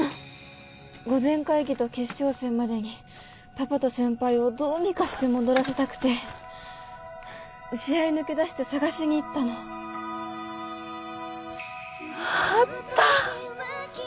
御前会議と決勝戦までにパパと先輩をどうにかして戻らせたくて試合抜け出して捜しに行ったのあった！